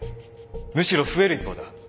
むしろ増える一方だ。